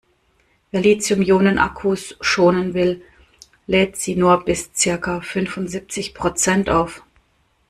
Wer Lithium-Ionen-Akkus schonen will, lädt sie nur bis circa fünfundsiebzig Prozent auf.